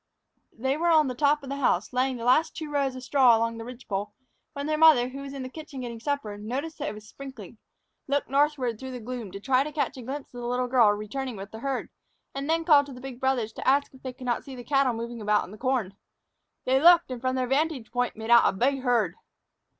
They were on top of the house, laying the last two rows of straw along the ridge pole, when their mother, who was in the kitchen getting supper, noticed that it was sprinkling, looked northward through the gloom to try to catch a glimpse of the little girl returning with the herd, and then called to the big brothers to ask if they could not see cattle moving about in the corn. They looked and, from their vantage point, made out a big herd.